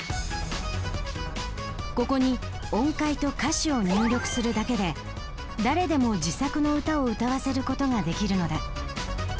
ここに音階と歌詞を入力するだけで誰でも自作の歌を歌わせる事ができるのだ。